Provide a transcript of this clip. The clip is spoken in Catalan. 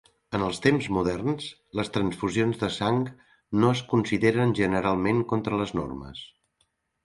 En els temps moderns, les transfusions de sang no es consideren generalment contra les normes.